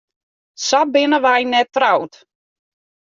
Sa binne wy net troud.